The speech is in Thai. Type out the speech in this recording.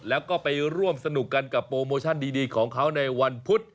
แล้วก็ไปร่วมสนุกกันกับโปรโมชั่นดีของเขาในวันพุธ